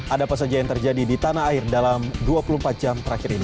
ada apa saja yang terjadi di tanah air dalam dua puluh empat jam terakhir ini